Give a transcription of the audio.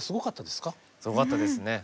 すごかったですね。